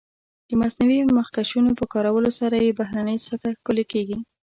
د مصنوعي مخکشونو په کارولو سره یې بهرنۍ سطح ښکلې کېږي.